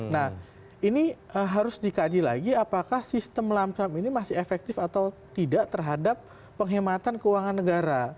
nah ini harus dikaji lagi apakah sistem lamsam ini masih efektif atau tidak terhadap penghematan keuangan negara